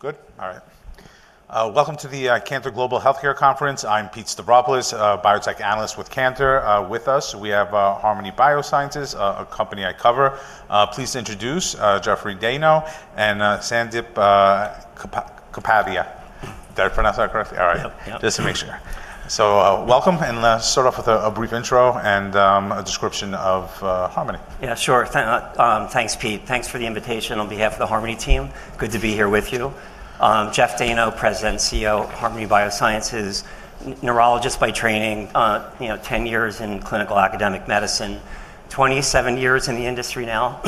Good. All right. Welcome to the Cantor Global Healthcare Conference. I'm Pete Stavropoulos, a biotech analyst with Cantor. With us, we have Harmony Biosciences, a company I cover. Please introduce Jeffrey Dayno and Sandip Kapadia. Did I pronounce that correctly? All right. Yep. Just to make sure, welcome. Let's start off with a brief intro and a description of Harmony Biosciences. Yeah, sure. Thanks, Pete. Thanks for the invitation on behalf of the Harmony team. Good to be here with you. Jeffrey Dayno, President and CEO of Harmony Biosciences, neurologist by training, 10 years in clinical academic medicine, 27 years in the industry now.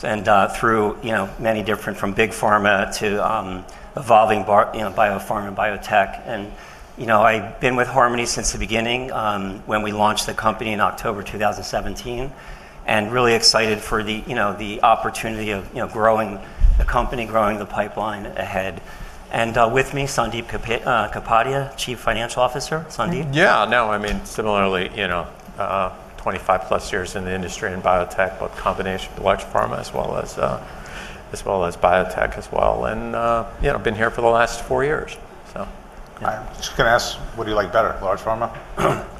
Through many different from big pharma to evolving biopharma and biotech. I've been with Harmony since the beginning when we launched the company in October 2017. Really excited for the opportunity of growing the company, growing the pipeline ahead. With me, Sandip Kapadia, Chief Financial Officer. Sandip? Yeah, no, I mean, similarly, you know, 25+ years in the industry in biotech, combination of large pharma as well as biotech as well. I've been here for the last four years. I'm just going to ask, what do you like better, large pharma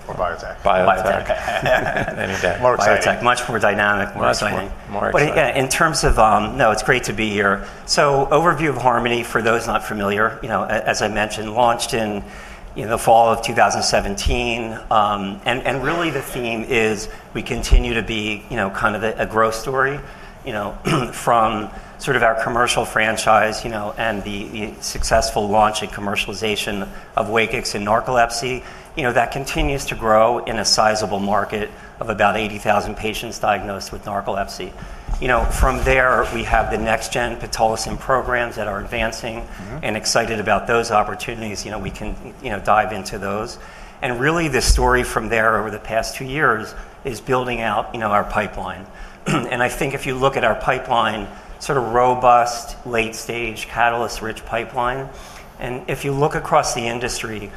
or biotech? Biotech. Any day. More biotech. Much more dynamic. More exciting. Yeah, in terms of, no, it's great to be here. Overview of Harmony for those not familiar, as I mentioned, launched in the fall of 2017. Really the theme is we continue to be kind of a growth story from sort of our commercial franchise and the successful launch and commercialization of Wakix in narcolepsy. That continues to grow in a sizable market of about 80,000 patients diagnosed with narcolepsy. From there, we have the next-gen pitolisant programs that are advancing and excited about those opportunities. We can dive into those. Really, the story from there over the past two years is building out our pipeline. I think if you look at our pipeline, sort of robust, late-stage, catalyst-rich pipeline. If you look across the industry,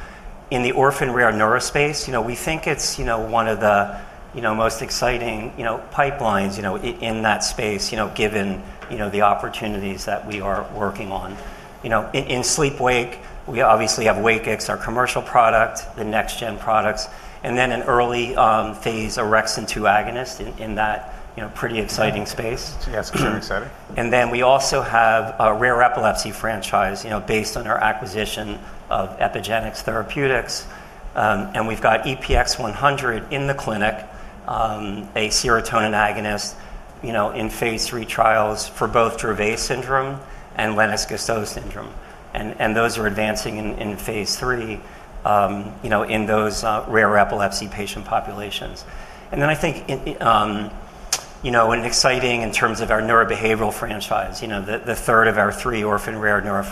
in the orphan and rare neurological disorders space, we think it's one of the most exciting pipelines in that space, given the opportunities that we are working on. In sleep wake, we obviously have Wakix, our commercial product, the next-gen products, and then an early phase, or exin 2 agonist in that pretty exciting space. Yes, exciting. We also have a rare epilepsy franchise based on our acquisition of Epygenix Therapeutics. We've got EPX-100 in the clinic, a serotonin agonist in phase III trials for both Dravet syndrome and Lennox-Gastaut syndrome. Those are advancing in phase III in those rare epilepsy patient populations. I think, in terms of our neurobehavioral franchise, the third of our three orphan rare neuro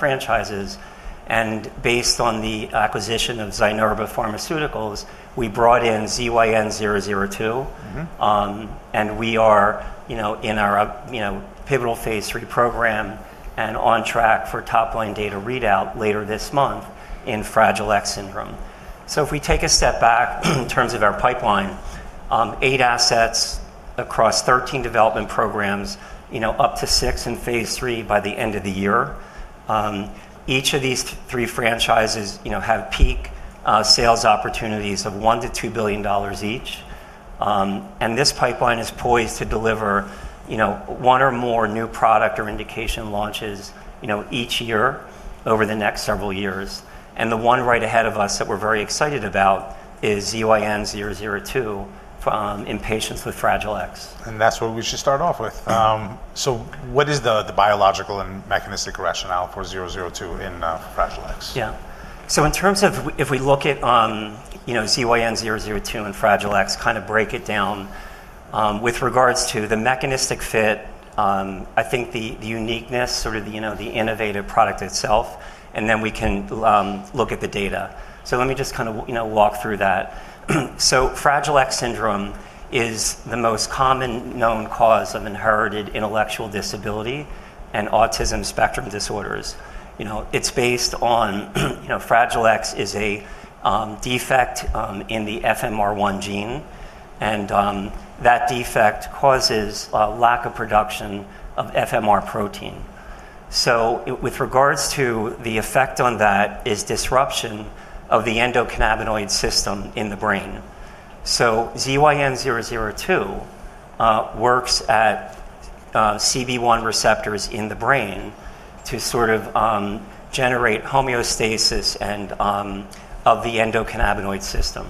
franchises, based on the acquisition of Zynerba Pharmaceuticals, we brought in ZYN002. We are in our pivotal phase III program and on track for top-line data readout later this month in Fragile X syndrome. If we take a step back in terms of our pipeline, eight assets across 13 development programs, up to six in phase III by the end of the year. Each of these three franchises have peak sales opportunities of $1 billion - $2 billion each. This pipeline is poised to deliver one or more new product or indication launches each year over the next several years. The one right ahead of us that we're very excited about is ZYN002 in patients with Fragile X. What is the biological and mechanistic rationale for 002 in Fragile X? Yeah. In terms of if we look at, you know, ZYN002 and Fragile X, kind of break it down with regards to the mechanistic fit, I think the uniqueness, sort of the, you know, the innovative product itself, and then we can look at the data. Let me just kind of, you know, walk through that. Fragile X syndrome is the most common known cause of inherited intellectual disability and autism spectrum disorders. It's based on, you know, Fragile X is a defect in the FMR1 gene, and that defect causes a lack of production of FMR protein. With regards to the effect on that is disruption of the endocannabinoid system in the brain. ZYN002 works at CB1 receptors in the brain to sort of generate homeostasis of the endocannabinoid system.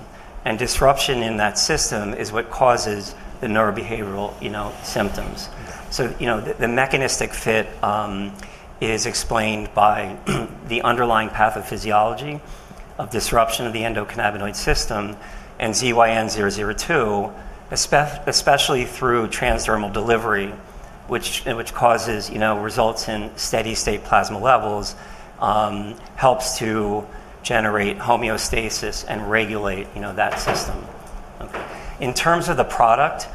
Disruption in that system is what causes the neurobehavioral, you know, symptoms. The mechanistic fit is explained by the underlying pathophysiology of disruption of the endocannabinoid system and ZYN002, especially through transdermal delivery, which causes, you know, results in steady state plasma levels, helps to generate homeostasis and regulate, you know, that system. In terms of the product,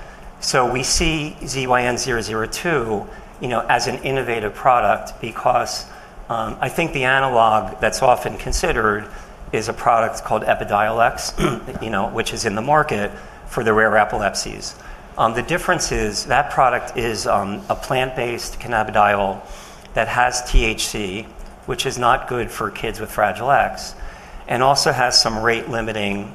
we see ZYN002, you know, as an innovative product because I think the analog that's often considered is a product called Epidiolex, you know, which is in the market for the rare epilepsies. The difference is that product is a plant-based cannabidiol that has THC, which is not good for kids with Fragile X, and also has some rate-limiting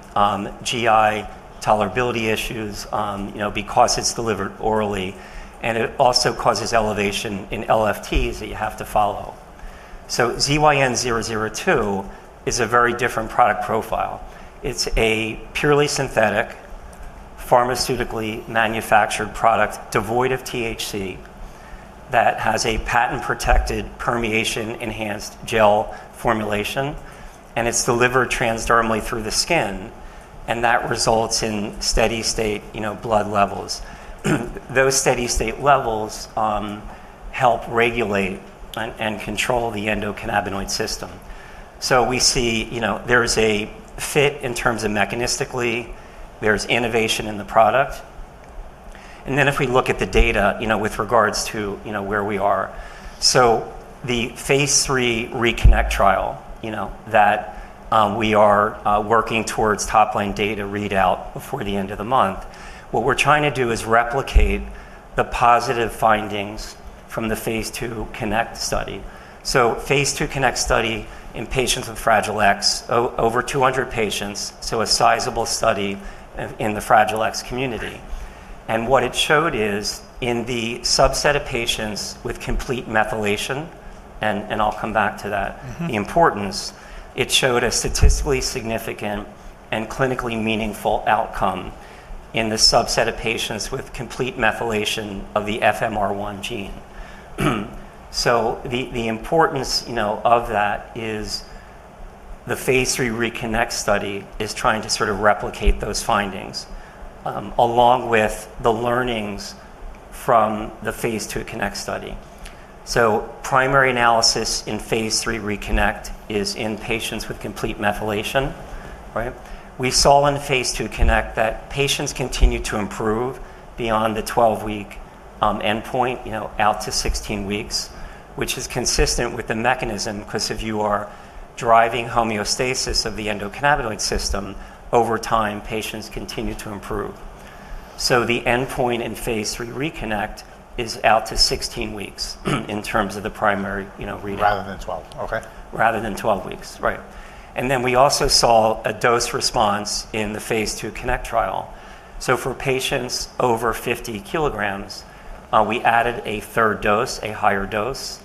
GI tolerability issues, you know, because it's delivered orally. It also causes elevation in LFTs that you have to follow. ZYN002 is a very different product profile. It's a purely synthetic, pharmaceutically manufactured product devoid of THC that has a patent-protected permeation-enhanced gel formulation, and it's delivered transdermally through the skin. That results in steady state, you know, blood levels. Those steady state levels help regulate and control the endocannabinoid system. We see, you know, there's a fit in terms of mechanistically, there's innovation in the product. If we look at the data, you know, with regards to, you know, where we are, the Phase III RECONNECT Trial, you know, that we are working towards top-line data readout before the end of the month. What we're trying to do is replicate the positive findings from the Phase II CONNECT study. The Phase II CONNECT study in patients with Fragile X, over 200 patients, so a sizable study in the Fragile X community. What it showed is in the subset of patients with complete methylation, and I'll come back to that, the importance, it showed a statistically significant and clinically meaningful outcome in the subset of patients with complete methylation of the FMR1 gene. The importance of that is the Phase III RECONNECT study is trying to sort of replicate those findings along with the learnings from the Phase II CONNECT study. The primary analysis in Phase III RECONNECT is in patients with complete methylation, right? We saw in Phase II CONNECT that patients continue to improve beyond the 12-week endpoint, out to 16 weeks, which is consistent with the mechanism because if you are driving homeostasis of the endocannabinoid system, over time, patients continue to improve. The endpoint in Phase III RECONNECT is out to 16 weeks in terms of the primary reading. Rather than 12, okay. Rather than 12 weeks. We also saw a dose response in the Phase II CONNECT trial. For patients over 50 kilograms, we added a third dose, a higher dose,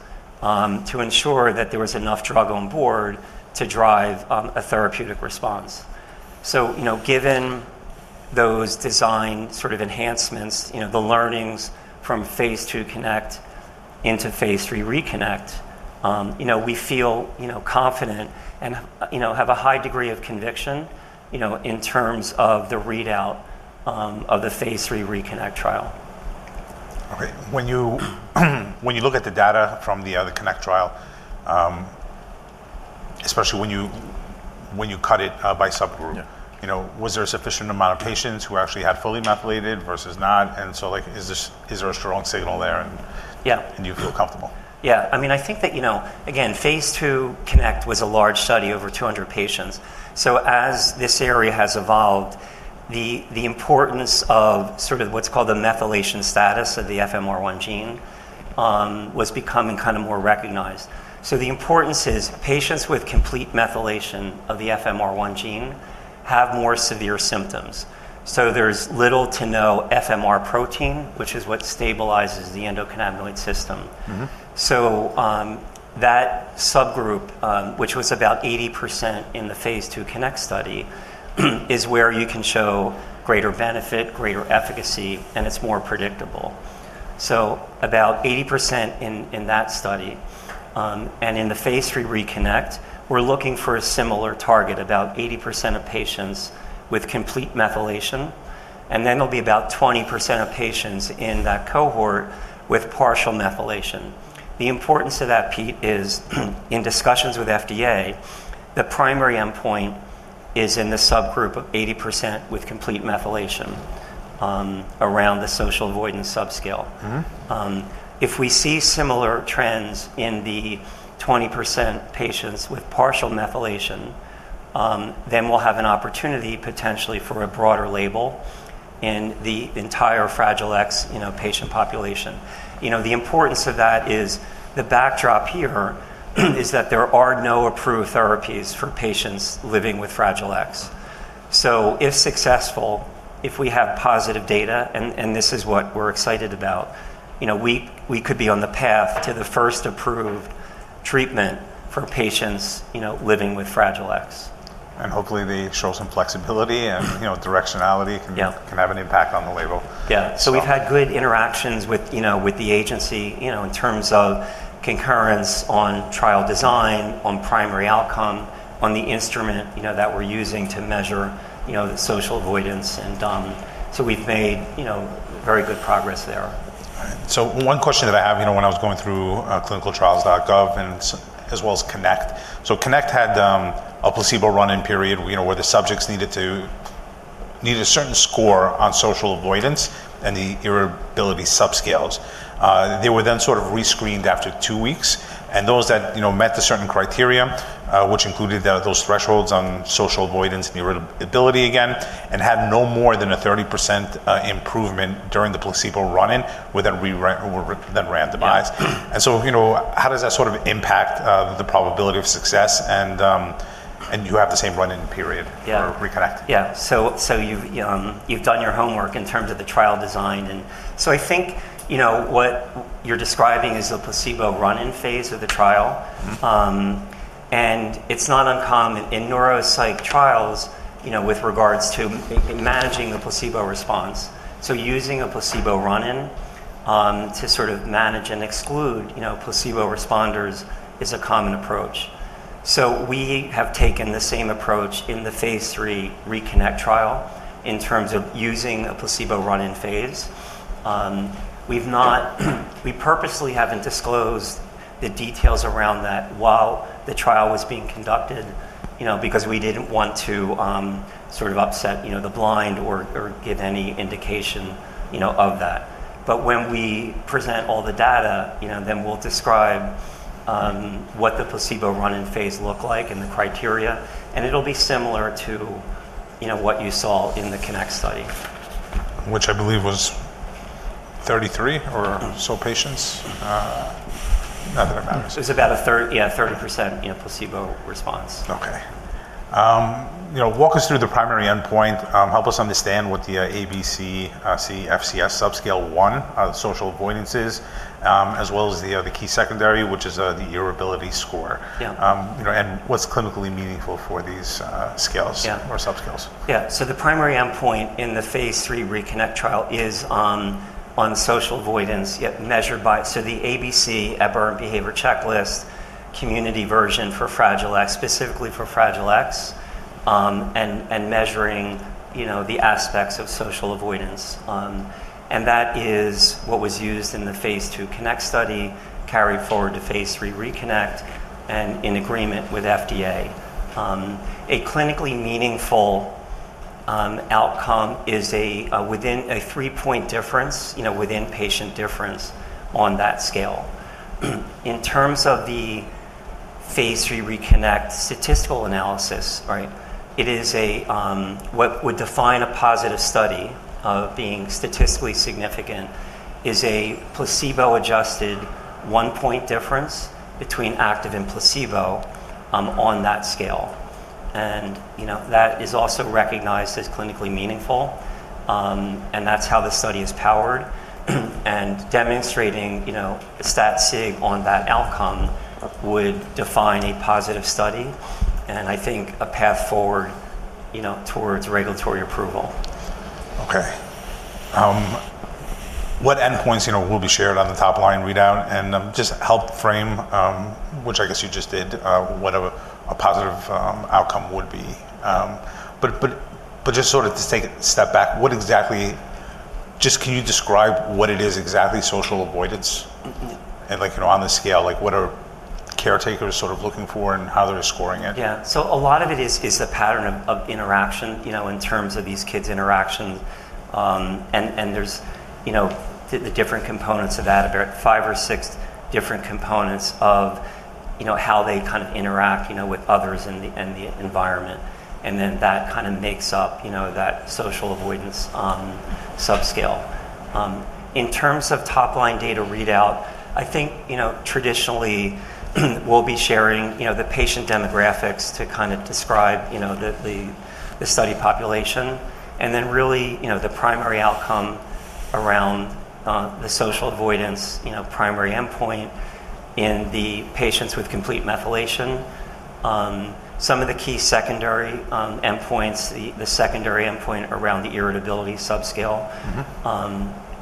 to ensure that there was enough drug on board to drive a therapeutic response. Given those design sort of enhancements, the learnings from Phase II CONNECT into Phase III RECONNECT, we feel confident and have a high degree of conviction in terms of the readout of the Phase III RECONNECT trial. Okay. When you look at the data from the other CONNECT trial, especially when you cut it by subgroup, was there a sufficient amount of patients who actually had fully methylated versus not? Is there a strong signal there? Yeah. Do you feel comfortable? Yeah. I mean, I think that, you know, again, Phase II CONNECT was a large study, over 200 patients. As this area has evolved, the importance of what's called the methylation status of the FMR1 gene was becoming more recognized. The importance is patients with complete methylation of the FMR1 gene have more severe symptoms. There's little to no FMR protein, which is what stabilizes the endocannabinoid system. That subgroup, which was about 80% in the Phase II CONNECT study, is where you can show greater benefit, greater efficacy, and it's more predictable. About 80% in that study. In the Phase III RECONNECT, we're looking for a similar target, about 80% of patients with complete methylation. There will be about 20% of patients in that cohort with partial methylation. The importance of that, Pete, is in discussions with FDA, the primary endpoint is in the subgroup of 80% with complete methylation around the social avoidance subscale. If we see similar trends in the 20% of patients with partial methylation, then we'll have an opportunity potentially for a broader label in the entire Fragile X patient population. The importance of that is the backdrop here is that there are no approved therapies for patients living with Fragile X. If successful, if we have positive data, and this is what we're excited about, we could be on the path to the first approved treatment for patients living with Fragile X. Hopefully they show some flexibility, and, you know, directionality can have an impact on the label. Yeah. We've had good interactions with the agency in terms of concurrence on trial design, on primary outcome, on the instrument that we're using to measure the social avoidance. We've made very good progress there. All right. One question that I have, when I was going through clinicaltrials.gov as well as CONNECT. CONNECT had a placebo run-in period where the subjects needed to need a certain score on social avoidance and the irritability subscales. They were then rescreened after two weeks. Those that met the certain criteria, which included those thresholds on social avoidance and irritability again, and had no more than a 30% improvement during the placebo run-in, were then randomized. How does that impact the probability of success? You have the same run-in period for Reconnect. Yeah. You've done your homework in terms of the trial design. I think what you're describing is a placebo run-in phase of the trial. It's not uncommon in neuropsych trials with regards to managing a placebo response. Using a placebo run-in to sort of manage and exclude placebo responders is a common approach. We have taken the same approach in the Phase III RECONNECT trial in terms of using a placebo run-in phase. We purposely haven't disclosed the details around that while the trial was being conducted because we didn't want to sort of upset the blind or give any indication of that. When we present all the data, then we'll describe what the placebo run-in phase looked like and the criteria. It'll be similar to what you saw in the Connect study. Which I believe was 33 or so patients. It was about a 30% placebo response. Okay. You know, walk us through the primary endpoint. Help us understand what the ABC-C FXS subscale one social avoidance is, as well as the other key secondary, which is the irritability score. Yeah. What is clinically meaningful for these scales or subscales? Yeah. The primary endpoint in the Phase III RECONNECT trial is on social avoidance, measured by the ABC, Aberrant Behavior Checklist, community version for Fragile X, specifically for Fragile X, and measuring the aspects of social avoidance. That is what was used in the Phase II CONNECT study, carried forward to Phase III RECONNECT, and in agreement with FDA. A clinically meaningful outcome is within a 3-point difference, within patient difference on that scale. In terms of the Phase III RECONNECT statistical analysis, what would define a positive study being statistically significant is a placebo-adjusted 1-point difference between active and placebo on that scale. That is also recognized as clinically meaningful. That's how the study is powered. Demonstrating the stat sig on that outcome would define a positive study. I think a path forward towards regulatory approval. Okay. What endpoints will be shared on the top line readout, and just help frame, which I guess you just did, what a positive outcome would be. Just to take a step back, what exactly, just can you describe what it is exactly, social avoidance? On the scale, what are caretakers looking for and how they're scoring it? A lot of it is a pattern of interaction, in terms of these kids' interactions. There are different components of that, about five or six different components of how they kind of interact with others and the environment. That kind of makes up that social avoidance subscale. In terms of top line data readout, traditionally, we'll be sharing the patient demographics to kind of describe the study population. Then really, the primary outcome around the social avoidance primary endpoint in the patients with complete methylation. Some of the key secondary endpoints, the secondary endpoint around the irritability subscale.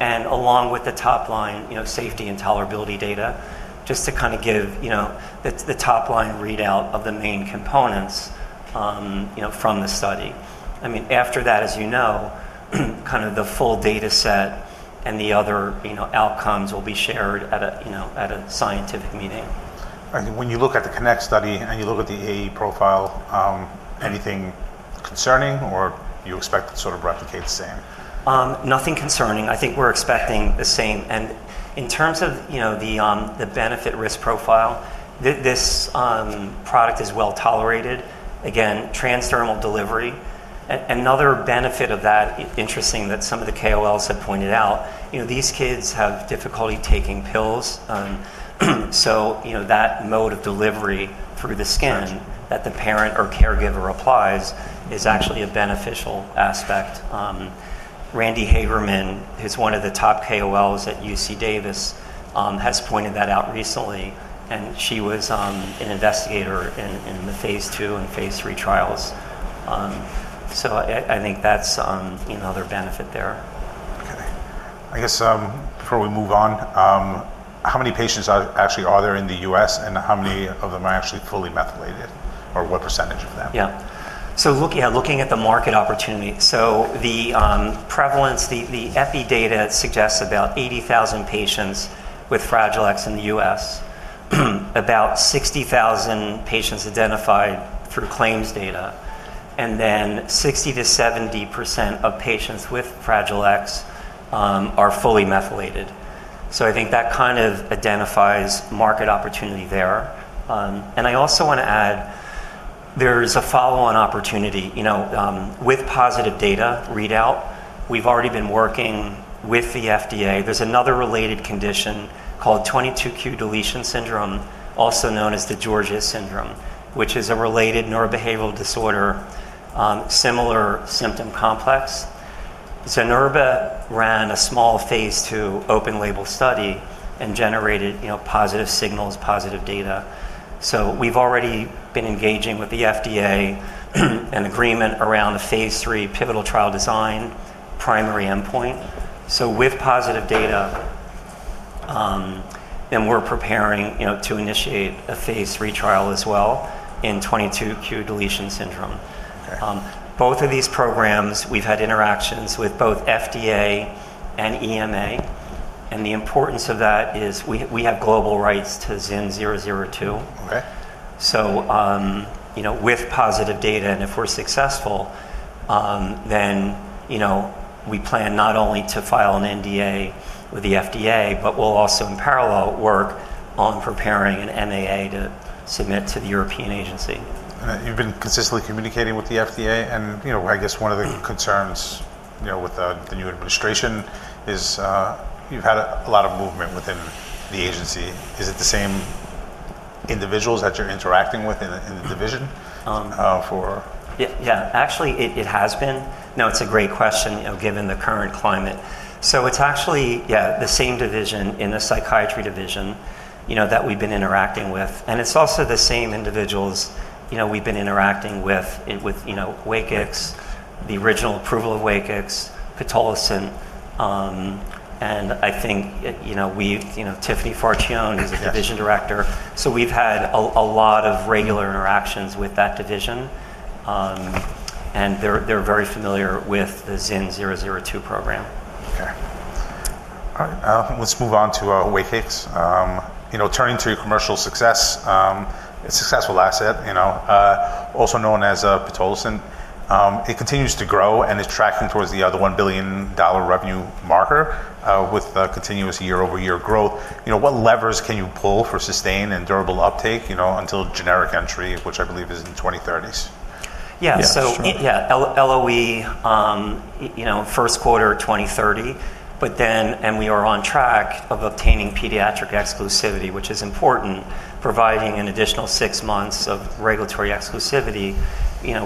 Along with the top line safety and tolerability data, just to kind of give the top line readout of the main components from the study. After that, as you know, the full data set and the other outcomes will be shared at a scientific meeting. When you look at the Connect study and you look at the AE profile, anything concerning or you expect to sort of replicate the same? Nothing concerning. I think we're expecting the same. In terms of the benefit risk profile, this product is well tolerated. Again, transdermal delivery is another benefit of that. Interesting that some of the KOLs have pointed out these kids have difficulty taking pills. That mode of delivery through the skin that the parent or caregiver applies is actually a beneficial aspect. Randi Hagerman, who's one of the top KOLs at UC Davis, has pointed that out recently. She was an investigator in the Phase II and Phase III trials. I think that's another benefit there. Okay. I guess before we move on, how many patients actually are there in the U.S. and how many of them are actually fully methylated or what percentage of them? Yeah. Looking at the market opportunity, the EPI data suggests about 80,000 patients with Fragile X syndrome in the U.S., about 60,000 patients identified through claims data. Then 60 %- 70% of patients with Fragile X are fully methylated. I think that kind of identifies market opportunity there. I also want to add, there's a follow-on opportunity with positive data readout. We've already been working with the FDA. There's another related condition called 22q deletion syndrome, which is a related neurobehavioral disorder, similar symptom complex. Zynerba ran a small phase II open label study and generated positive signals, positive data. We've already been engaging with the FDA in agreement around a phase III pivotal trial design primary endpoint. With positive data, we're preparing to initiate a phase III trial as well in 22q deletion syndrome. Both of these programs, we've had interactions with both FDA and EMA. The importance of that is we have global rights to ZYN002. With positive data, and if we're successful, we plan not only to file an NDA with the FDA, but we'll also in parallel work on preparing an NAA to submit to the European Agency. You've been consistently communicating with the FDA. I guess one of the concerns with the new administration is you've had a lot of movement within the agency. Is it the same individuals that you're interacting with in the division for? Yeah, actually, it has been. It's a great question, you know, given the current climate. It's actually the same division in the psychiatry division that we've been interacting with. It's also the same individuals we've been interacting with, you know, Wakix, the original approval of Wakix, pitolisant. I think, you know, Tiffany Fortune, who's a Division Director. We've had a lot of regular interactions with that division, and they're very familiar with the ZYN002 program. Okay. All right. Let's move on to Wakix. You know, turning to commercial success, a successful asset, you know, also known as pitolisant. It continues to grow and is tracking towards the $1 billion revenue marker with continuous year-over-year growth. You know, what levers can you pull for sustained and durable uptake, you know, until generic entry, which I believe is in the 2030s? Yeah, so LOE, you know, first quarter 2030. We are on track of obtaining pediatric exclusivity, which is important, providing an additional six months of regulatory exclusivity,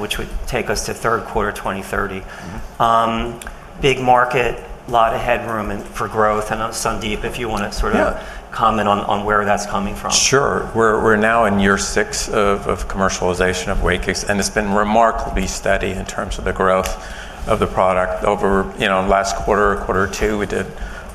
which would take us to third quarter 2030. Big market, a lot of headroom for growth. Sandeep, if you want to sort of comment on where that's coming from. Sure. We're now in year six of commercialization of Wakix. It's been remarkably steady in terms of the growth of the product. Over last quarter, quarter two, we did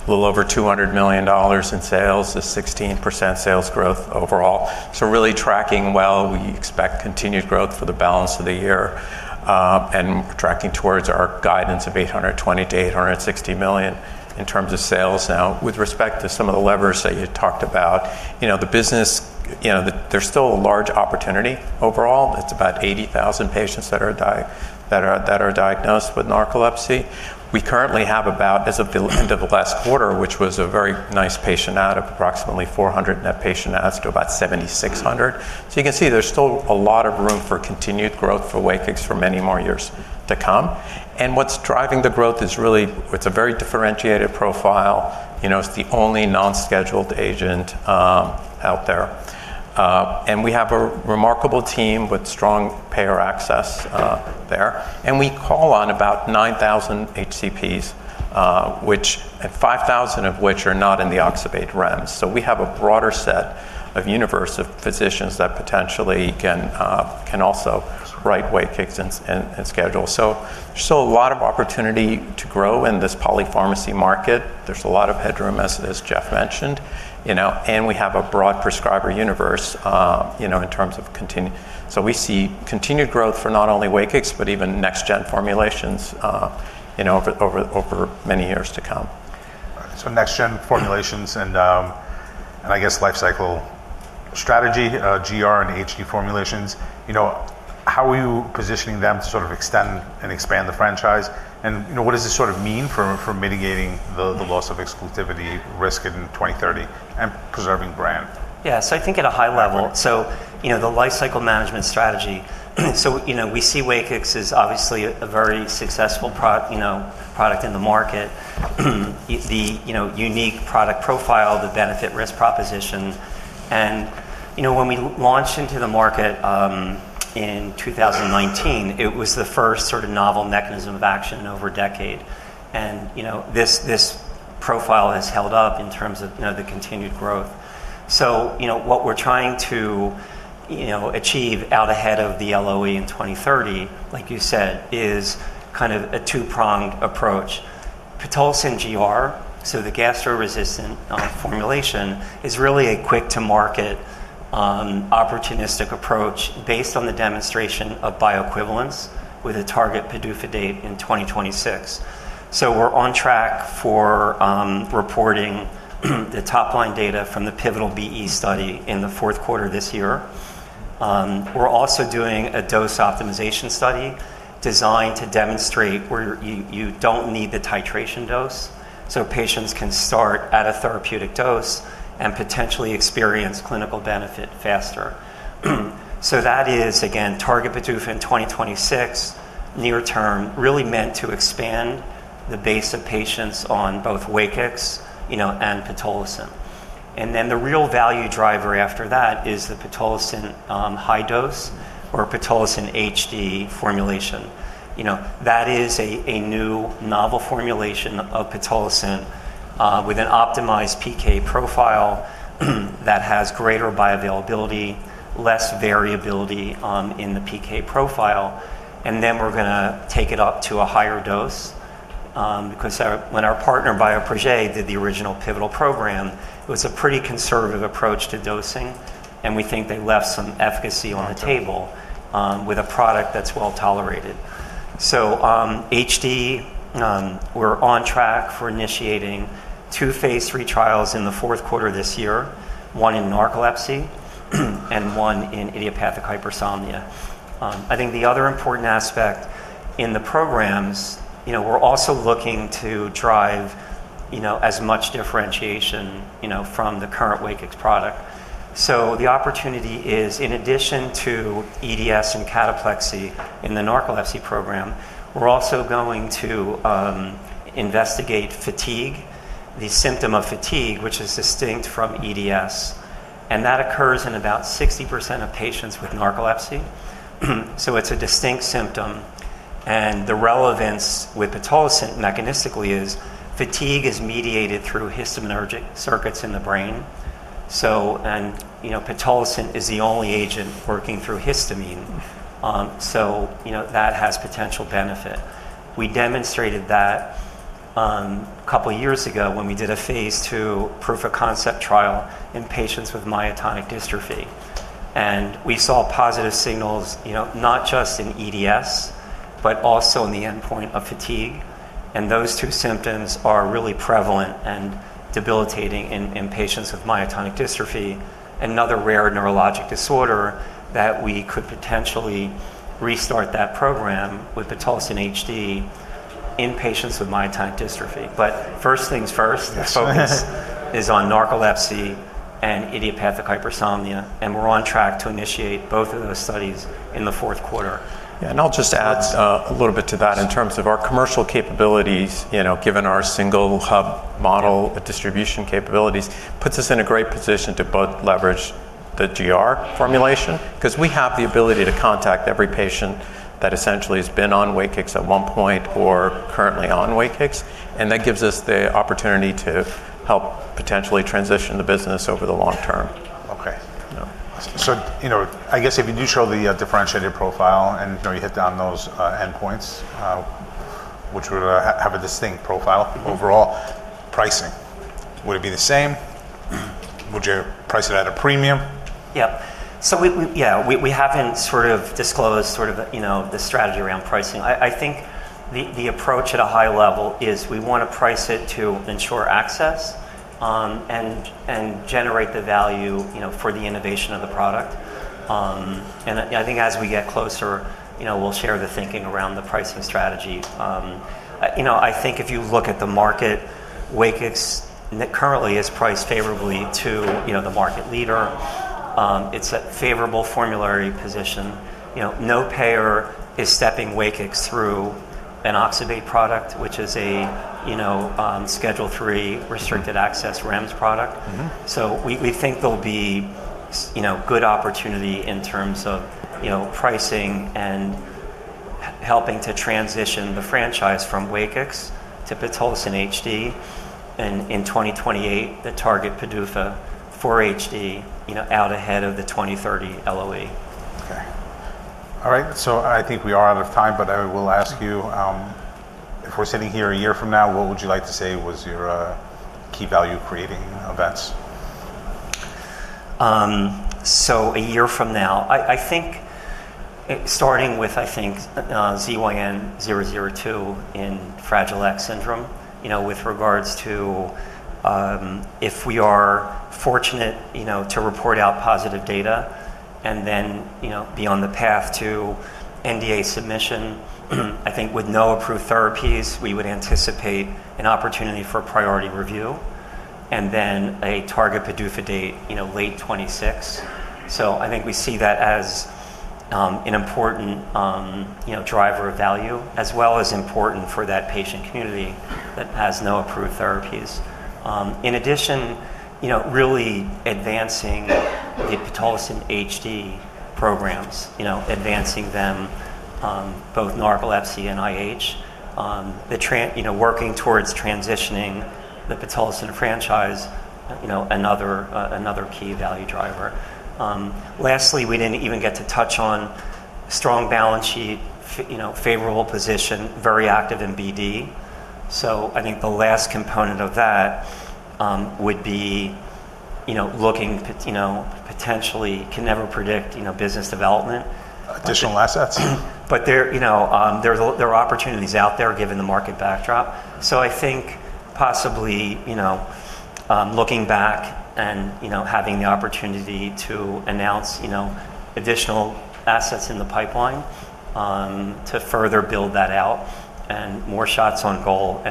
a little over $200 million in sales, a 16% sales growth overall. We're really tracking well. We expect continued growth for the balance of the year. We're tracking towards our guidance of $820 million - $860 million in terms of sales. Now, with respect to some of the levers that you talked about, the business, there's still a large opportunity overall. It's about 80,000 patients that are diagnosed with narcolepsy. We currently have about, as of the end of last quarter, which was a very nice patient add of approximately 400 net patient adds to about 7,600. You can see there's still a lot of room for continued growth for Wakix for many more years to come. What's driving the growth is really, it's a very differentiated profile. It's the only non-scheduled agent out there. We have a remarkable team with strong payer access there. We call on about 9,000 HCPs, 5,000 of which are not in the oxybate REMS. We have a broader set of universe of physicians that potentially can also write Wakix and schedule. There's still a lot of opportunity to grow in this polypharmacy market. There's a lot of headroom, as Jeff mentioned. We have a broad prescriber universe in terms of continued. We see continued growth for not only Wakix, but even next-gen formulations over many years to come. Next-gen formulations and, I guess, lifecycle strategy, GR and HD formulations, you know, how are you positioning them to sort of extend and expand the franchise? You know, what does this sort of mean for mitigating the loss of exclusivity risk in 2030 and preserving brand? Yeah, so I think at a high level, the lifecycle management strategy, we see Wakix as obviously a very successful product in the market. The unique product profile, the benefit-risk proposition. When we launched into the market in 2019, it was the first sort of novel mechanism of action in over a decade. This profile has held up in terms of the continued growth. What we're trying to achieve out ahead of the LOE in 2030, like you said, is kind of a two-pronged approach. Pitolisant GR, so the gastro-resistant formulation, is really a quick-to-market opportunistic approach based on the demonstration of bioequivalence with a target PDUFA date in 2026. We're on track for reporting the top-line data from the pivotal BE study in the fourth quarter of this year. We're also doing a dose optimization study designed to demonstrate where you don't need the titration dose, so patients can start at a therapeutic dose and potentially experience clinical benefit faster. That is, again, target PDUFA in 2026, near-term, really meant to expand the base of patients on both Wakix and Pitolisant. The real value driver after that is the Pitolisant high-dose or Pitolisant HD formulation. That is a new novel formulation of Pitolisant with an optimized PK profile that has greater bioavailability, less variability in the PK profile. We're going to take it up to a higher dose because when our partner, Bioprojet, did the original pivotal program, it was a pretty conservative approach to dosing. We think they left some efficacy on the table with a product that's well tolerated. HD, we're on track for initiating two phase III trials in the fourth quarter of this year, one in narcolepsy and one in idiopathic hypersomnia. I think the other important aspect in the programs, we're also looking to drive as much differentiation from the current Wakix product. The opportunity is, in addition to EDS and cataplexy in the narcolepsy program, we're also going to investigate fatigue, the symptom of fatigue, which is distinct from EDS. That occurs in about 60% of patients with narcolepsy. It's a distinct symptom. The relevance with Pitolisant mechanistically is fatigue is mediated through histaminergic circuits in the brain, and Pitolisant is the only agent working through histamine. That has potential benefit. We demonstrated that a couple of years ago when we did a phase II proof of concept trial in patients with myotonic dystrophy. We saw positive signals, not just in EDS, but also in the endpoint of fatigue. Those two symptoms are really prevalent and debilitating in patients with myotonic dystrophy, another rare neurologic disorder. We could potentially restart that program with Pitolisant HD in patients with myotonic dystrophy. First things first, the focus is on narcolepsy and idiopathic hypersomnia. We're on track to initiate both of those studies in the fourth quarter. Yeah, and I'll just add a little bit to that in terms of our commercial capabilities. You know, given our single hub model distribution capabilities, it puts us in a great position to both leverage the GR formulation because we have the ability to contact every patient that essentially has been on Wakix at one point or currently on Wakix. That gives us the opportunity to help potentially transition the business over the long term. Okay. If you do show the differentiated profile and you hit down those endpoints, which would have a distinct profile overall, pricing, would it be the same? Would you price it at a premium? Yeah. We haven't disclosed the strategy around pricing. I think the approach at a high level is we want to price it to ensure access and generate the value for the innovation of the product. I think as we get closer, we'll share the thinking around the pricing strategy. If you look at the market, Wakix currently is priced favorably to the market leader. It's a favorable formulary position. No payer is stepping Wakix through an oxybate product, which is a schedule three restricted access REMS product. We think there'll be good opportunity in terms of pricing and helping to transition the franchise from Wakix to Wakix HD. In 2028, the target pediatric label for HD is out ahead of the 2030 LOE. All right. I think we are out of time, but I will ask you, if we're sitting here a year from now, what would you like to say was your key value creating events? A year from now, starting with ZYN002 in Fragile X syndrome, with regards to if we are fortunate to report out positive data and then be on the path to NDA submission, with no approved therapies, we would anticipate an opportunity for priority review and then a target PDUFA date late 2026. We see that as an important driver of value, as well as important for that patient community that has no approved therapies. In addition, really advancing the pitolisant HD programs, advancing them in both narcolepsy and idiopathic hypersomnia, working towards transitioning the pitolisant franchise, another key value driver. Lastly, we did not even get to touch on strong balance sheet, favorable position, very active in BD. The last component of that would be looking, potentially can never predict, business development. Additional assets. There are opportunities out there given the market backdrop. I think possibly looking back and having the opportunity to announce additional assets in the pipeline to further build that out and more shots on goal,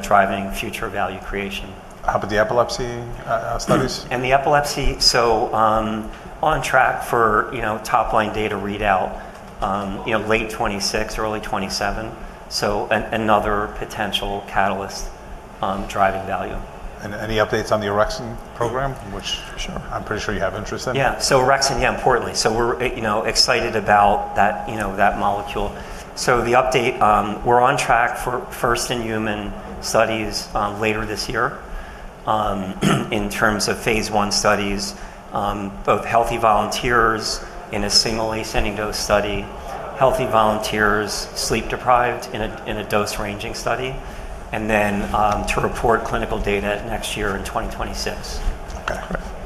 driving future value creation. How about the epilepsy studies? The epilepsy, on track for top line data readout late 2026, early 2027, is another potential catalyst driving value. there any updates on the Erexin program, which I'm pretty sure you have interest in? Yeah. Erexin, importantly, we're excited about that molecule. The update is we're on track for first in human studies later this year in terms of phase I studies, both healthy volunteers in a single ascending dose study, healthy volunteers sleep deprived in a dose ranging study, and to report clinical data next year in 2026.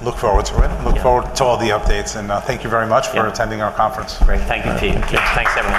Look forward to it. Look forward to all the updates. Thank you very much for attending our conference. Great. Thank you, Pete. Thanks, everyone.